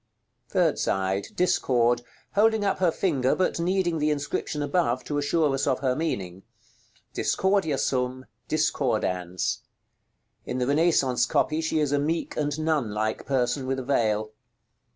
§ LXXI. Third side. Discord; holding up her finger, but needing the inscription above to assure us of her meaning, "DISCORDIA SUM, DISCORDANS." In the Renaissance copy she is a meek and nun like person with a veil.